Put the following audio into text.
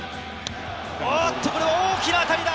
おっとこれは大きな当たりだ！